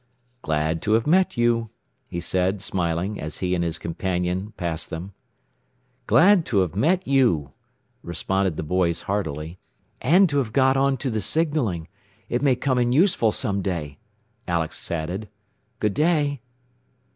"Glad to have met you," he said, smiling, as he and his companion passed them. "Glad to have met you," responded the boys heartily. "And to have got onto the signalling. It may come in useful some day," Alex added. "Good day."